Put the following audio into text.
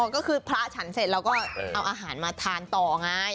ก็คือพระฉันส์เศษแล้วก็เอาอาหารมาทานต่อง่าย